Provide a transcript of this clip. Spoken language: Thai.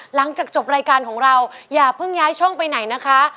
หลังจากจบรายการของเราอย่าเพิ่งย้ายช่องไปไหนนะคะ